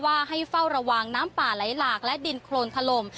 ให้เฝ้าระวังน้ำป่าไหลหลากและดินโครนถล่ม